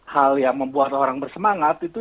hal yang membuat orang bersemangat itu